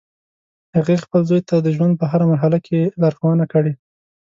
هغې خپل زوی ته د ژوند په هر مرحله کې ښه لارښوونه کړی